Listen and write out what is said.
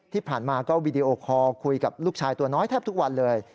ที่ผ่านมาก็วีดีโอคอลคุยกับลูกชายตัวน้อยแทบทุกวันเลย